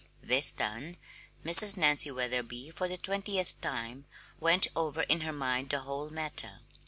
This done, Mrs. Nancy Wetherby, for the twentieth time, went over in her mind the whole matter.